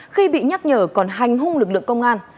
khi bị nhắc nhở còn hành hung lực lượng công an